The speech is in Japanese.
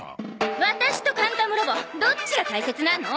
ワタシとカンタムロボどっちが大切なの？